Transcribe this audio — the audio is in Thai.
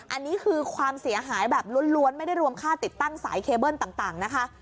อันนี้คือความเสียหายแบบล้วนไม่ได้รวมค่าติดตั้งสายเคเบิ้ลต่างนะคะ